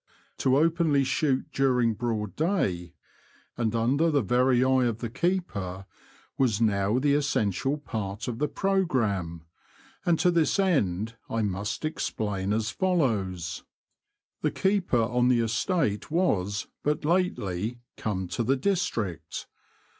To openly shoot during broad day, and under the very eye of the keeper, was now the essential part of the programme ; and to this end I must explain as follows : The keeper on the estate was but lately come to the district.